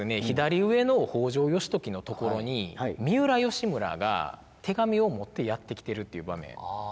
左上の北条義時のところに三浦義村が手紙を持ってやって来てるっていう場面。